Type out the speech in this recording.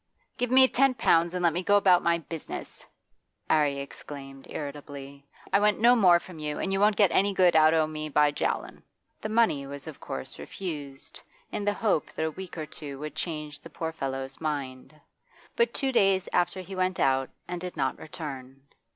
'Give me ten pounds and let me go about my business,' 'Arry exclaimed irritably. 'I want no more from you, and you won't get any good out o' me by jawin'.' The money was of course refused, in the hope that a week or two would change the poor fellow's mind. But two days after he went out and did not return.